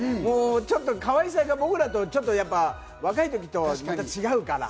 ちょっとかわいさが僕らとやっぱり若い時とは違うから。